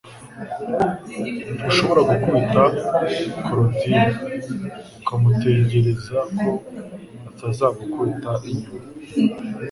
Ntushobora gukubita Korodina ukamutegereza ko atazagukubita inyuma